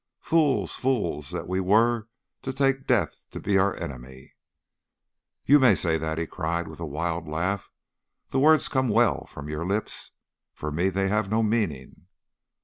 Fools, fools, that we were to take death to be our enemy!' "'You may say that,' he cried with a wild laugh; 'the words come well from your lips. For me they have no meaning.